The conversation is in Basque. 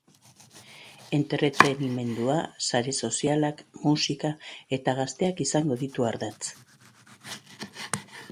Entretenimendua, sare sozialak, musika eta gazteak izango ditu ardatz.